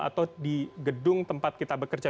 atau di gedung tempat kita bekerja